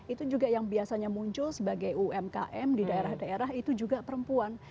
itu juga yang biasanya muncul sebagai umkm di daerah daerah itu juga perempuan